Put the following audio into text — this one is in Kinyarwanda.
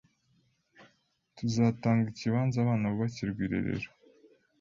tuzatanga ikibanza abana bubakirwe irerero.